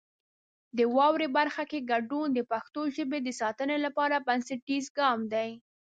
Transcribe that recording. د واورئ برخه کې ګډون د پښتو ژبې د ساتنې لپاره بنسټیز ګام دی.